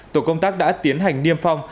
tổ công tác đã tiến hành niêm phong